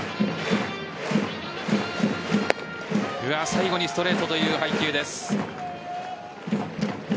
最後にストレートという配球です。